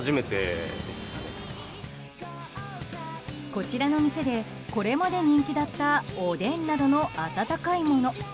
こちらの店でこれまで人気だったおでんなどの温かいもの。